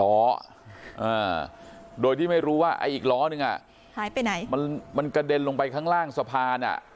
อ่าโดยที่ไม่รู้ว่าไอ้อีกล้อนึงอ่ะหายไปไหนมันมันกระเด็นลงไปข้างล่างสะพานอ่ะ